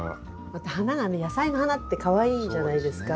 また花がね野菜の花ってかわいいじゃないですか。